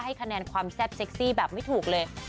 คะแนนความแซ่บเซ็กซี่แบบไม่ถูกเลย